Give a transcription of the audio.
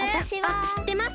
あっしってます。